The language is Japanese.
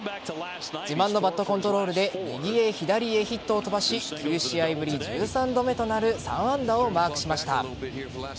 自慢のバットコントロールで右へ左へヒットを飛ばし９試合ぶり１３度目となる３安打をマークしました。